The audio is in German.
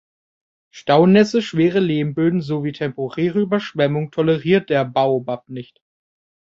Staunässe, schwere Lehmböden sowie temporäre Überschwemmungen toleriert der Baobab nicht.